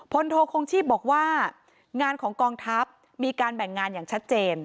โทคงชีพบอกว่างานของกองทัพมีการแบ่งงานอย่างชัดเจน